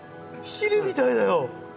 ヒルみたいだよ。